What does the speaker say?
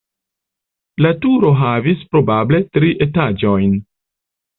La turo havis probable tri etaĝojn.